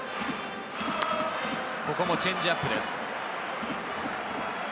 ここもチェンジアップです。